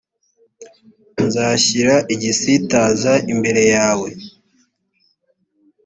nzashyira igisitaza imbere ye.